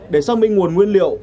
để xác minh nguồn nguyên liệu